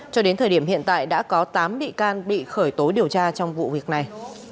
cho đến thời điểm hiện tại đã có tám bị can bị khởi tố điều tra trong vụ việc này